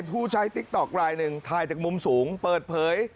ผู้ใช้ติ๊กต๊อกลายหนึ่งถ่ายจากมุมสูงเปิดเผย